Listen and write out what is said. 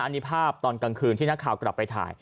นี่ภาพตอนกลางคืนที่นักข่าวกลับไปถ่าย